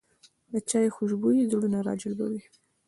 د چای خوشبويي زړونه راجلبوي